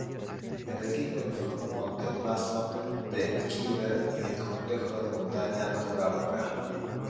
El equipo informó del paso de Khyber y el complejo de montaña Tora Bora.